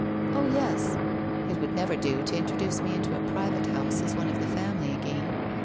Oh yes ! It would never do to introduce me into a private house as one of the family again